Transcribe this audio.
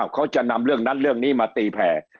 เขาจะนำเรื่องนั้นเรื่องนี้มาตีแผ่